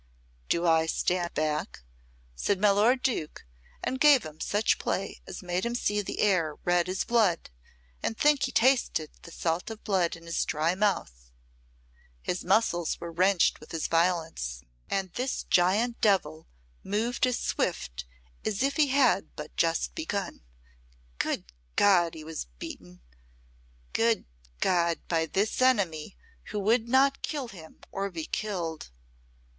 "Do I stand back?" said my lord Duke, and gave him such play as made him see the air red as blood, and think he tasted the salt of blood in his dry mouth; his muscles were wrenched with his violence, and this giant devil moved as swift as if he had but just begun. Good God! he was beaten! Good God! by this enemy who would not kill him or be killed.